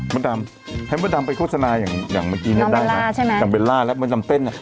มาดำเฮ้ยมาดำไปโฆษณาอย่างเมื่อกี้คลัมเบลล่ามัวจะทำเท่น